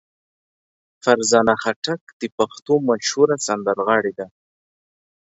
فرزانه خټک د پښتو مشهوره سندرغاړې ده.